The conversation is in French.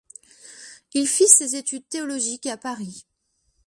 Il fit ses études théologiques à Paris.